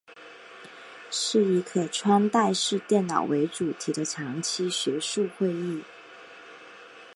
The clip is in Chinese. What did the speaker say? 是以可穿戴式电脑为主题的长期学术会议。